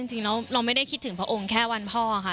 จริงแล้วเราไม่ได้คิดถึงพระองค์แค่วันพ่อค่ะ